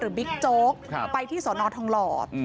หรือบิ๊กโจ๊กไปที่สอนอนทองหลอด